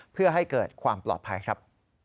เพื่อให้เกิดความปลอดภัยครับ